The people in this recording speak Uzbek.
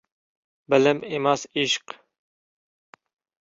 Bilim emas, ishq…